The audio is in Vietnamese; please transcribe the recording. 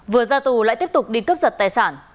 vừa ra tù lại tiếp tục đi cướp giật tài sản